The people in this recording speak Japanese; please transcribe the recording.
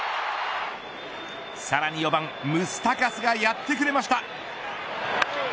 さらに４番ムスタカスがやってくれました。